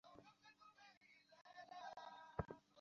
তবে সকালের সিগারেটটা ছাড়া যাচ্ছে না।